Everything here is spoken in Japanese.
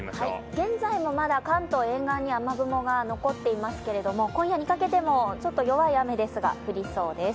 現在もまだ関東沿岸に雨雲が残っていますけれども今夜にかけてもちょっと弱い雨ですが、降りそうです。